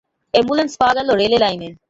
Ambulance পাওয়া গেলো রেলে লাইনে।